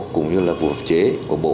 cũng như là vụ hợp chế của bộ